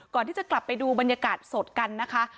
ก่อนที่จะกลับไปดูบรรยากาศสดกันนะคะ